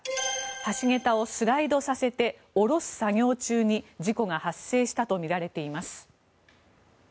橋桁をスライドさせて下ろす作業中に事故が発生したとみられています。